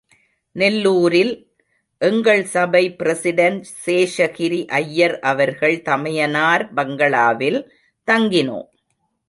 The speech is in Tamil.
நெல்லூரில், எங்கள் சபை பிரசிடென்ட் சேஷகிரி ஐயர் அவர்கள் தமயனார் பங்களாவில் தங்கினோம்.